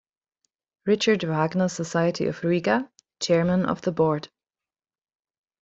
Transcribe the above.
Richard Wagner Society of Riga, Chairman of the Board.